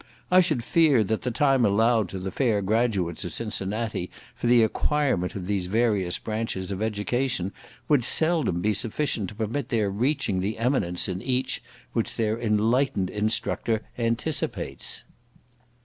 I should fear that the time allowed to the fair graduates of Cincinnati for the acquirement of these various branches of education would seldom be sufficient to permit their reaching the eminence in each which their enlightened instructor anticipates.